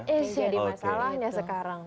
itu masalahnya sekarang